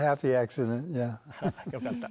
よかった。